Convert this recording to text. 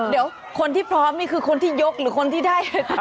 เดี๋ยวคนที่พร้อมนี่คือคนที่ยกหรือคนที่ได้